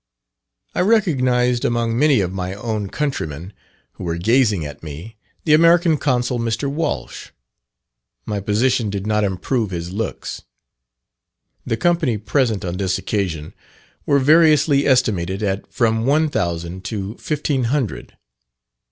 I recognised among many of my own countrymen, who were gazing at me, the American Consul, Mr. Walsh. My position did not improve his looks. The company present on this occasion were variously estimated at from one thousand to fifteen hundred.